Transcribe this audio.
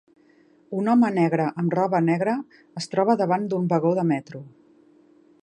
Un home negre amb roba negra es troba davant d'un vagó de metro.